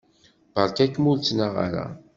Beṛka-kem ur ttnaɣ ara.